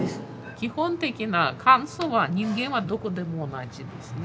基本的な感想は人間はどこでも同じですね。